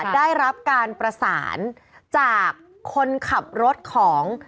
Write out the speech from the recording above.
ได้รับการประสานจากคนขับรถของ